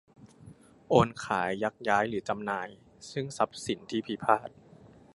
โอนขาย ยักย้ายหรือจำหน่าย ซึ่งทรัพย์สินที่พิพาท